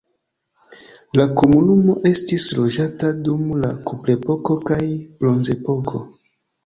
La komunumo estis loĝata dum la kuprepoko kaj bronzepoko.